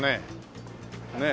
ねえ。